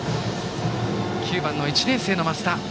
９番の１年生の増田へ。